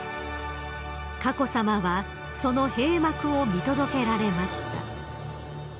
［佳子さまはその閉幕を見届けられました］